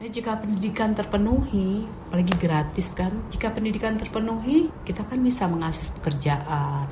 jika pendidikan terpenuhi apalagi gratis kan jika pendidikan terpenuhi kita kan bisa mengakses pekerjaan